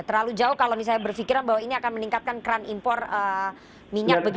terlalu jauh kalau misalnya berpikiran bahwa ini akan meningkatkan keran impor minyak